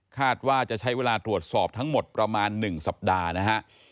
คาดว่าจะใช้เวลาตรวจสอบทั้งหมดประมาณ๑สัปดาห์นะฮะ